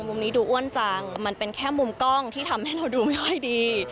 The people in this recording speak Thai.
มุมนี้ดูอ้วนจังมันเป็นแค่มุมกล้องที่ทำให้เราดูไม่ค่อยดี